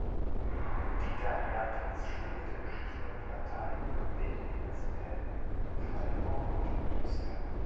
Dieter Mertens studierte Geschichte und Latein an den Universitäten Freiburg und Münster.